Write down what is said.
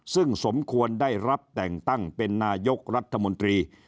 ซึ่งสมควรได้รับแต่งตั้งเป็นนายกรัฐมนตรี